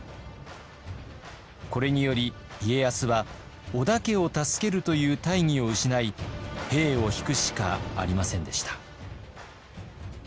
これにより家康は織田家を助けるという大義を失い兵を引くしかありませんでした。